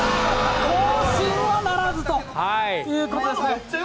更新はならずということです。